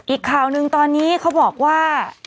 อีกข่าวหนึ่งตอนนี้เขาบอกว่า